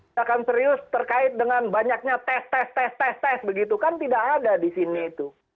tindakan serius terkait dengan banyaknya tes tes tes tes begitu kan tidak ada di sini itu